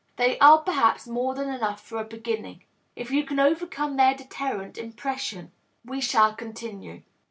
They are perhaps more than enough for a beginning. If you can overcome their deterrent impression, we shall continue.